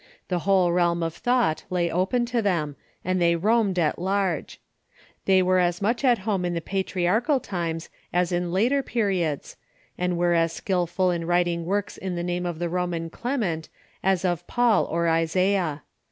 The whole realm of thought lay open to tliem, and they roamed at large. They Avere as much Spurious r^^ home in the patriarchal times as in later i)eriods. Writings ,.,.,... i • i e and were as skiltul in writing works in the name oi the Roman Clement as of Paul or Isaiah.